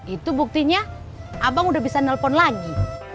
itu buktinya abang udah bisa nelpon lagi